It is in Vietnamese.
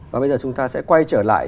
và bây giờ chúng ta sẽ quay trở lại